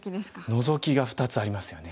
ノゾキが２つありますよね。